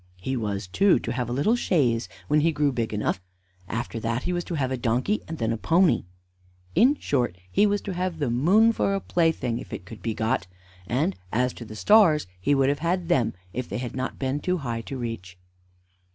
He was, too, to have a little chaise, when he grew big enough; after that, he was to have a donkey, and then a pony. In short, he was to have the moon for a plaything, if it could be got; and, as to the stars, he would have had them, if they had not been too high to reach.